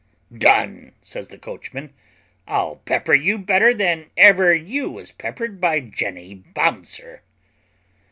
"Done," says the coachman; "I'll pepper you better than ever you was peppered by Jenny Bouncer."